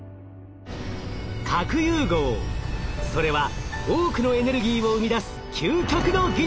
それは多くのエネルギーを生み出す究極の技術！